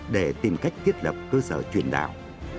để tìm cách tiết lập cơ sở truyền đạo